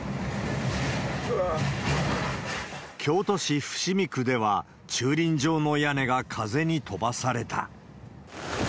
京都市伏見区では、駐輪場の屋根が風に飛ばされた。